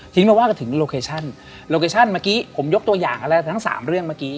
มาว่ากันถึงโลเคชั่นโลเคชั่นเมื่อกี้ผมยกตัวอย่างแล้วทั้งสามเรื่องเมื่อกี้